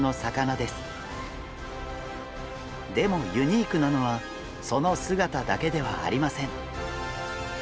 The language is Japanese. でもユニークなのはその姿だけではありません。